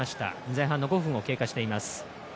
前半の５分を経過しています。